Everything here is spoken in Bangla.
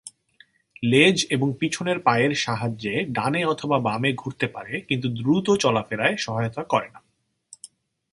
লেজ এবং পিছনের পায়ের সাহায্যে ডানে অথবা বামে ঘুরতে পারে কিন্তু দ্রুত চলাফেরায় সহায়তা করে না।